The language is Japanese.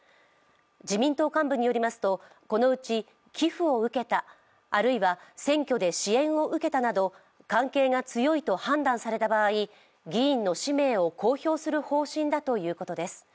自民党幹部によりますとこのうち寄付を受けたあるいは選挙で支援を受けたなど関係が強いと判断された場合議員の氏名を公表する方針だということです。